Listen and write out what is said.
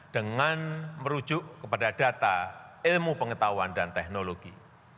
dengan merujuk kepada data ilmu pengetahuan dan teknologi